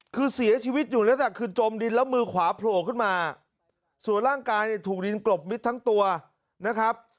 คือเสียชีวิตอยู่แล้วแต่คือจมดินแล้วมือขวาโผล่ขึ้นมาส่วนร่างกายเนี่ยถูกดินกลบมิดทั้งตัวนะครับ